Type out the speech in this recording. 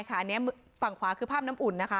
อันนี้ฝั่งขวาคือภาพน้ำอุ่นนะคะ